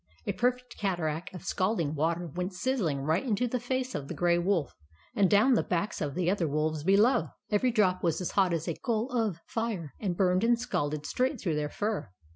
A perfect cataract of scalding water went sizzling right into the face of the Grey Wolf, and down the backs of the other wolves below. Every drop was as hot as a coal of fire, and burned and scalded straight through their fur.